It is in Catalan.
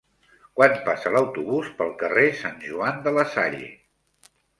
Quan passa l'autobús pel carrer Sant Joan de la Salle?